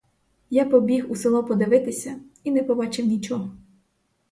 Я побіг у село подивитися і не побачив нічого.